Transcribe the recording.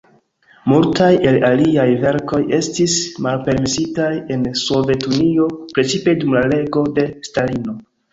Multaj el liaj verkoj estis malpermesitaj en Sovetunio, precipe dum la rego de Stalino.